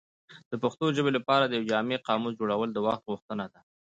د پښتو ژبې لپاره د یو جامع قاموس جوړول د وخت غوښتنه ده.